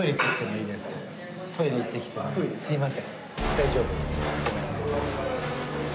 大丈夫？